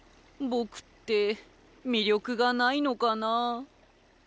僕って魅力がないのかな。